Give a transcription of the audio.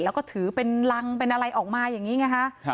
แล้วก็ถือเป็นรังเป็นอะไรออกมาอย่างนี้ไงฮะ